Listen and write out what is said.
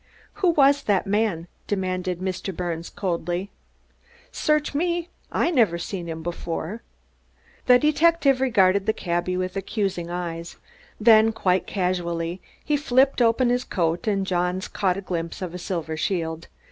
"Who was that man?" demanded Mr. Birnes coldly. "Search me! I never seen him before." The detective regarded the cabby with accusing eyes. Then, quite casually, he flipped open his coat and Johns caught a glimpse of a silver shield.